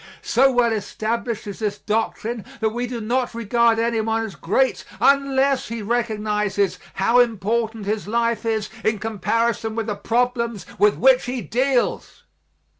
So well established is this doctrine that we do not regard anyone as great unless he recognizes how unimportant his life is in comparison with the problems with which he deals.